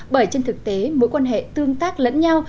bởi trên thực tế mối quan hệ tương tác lẫn nhau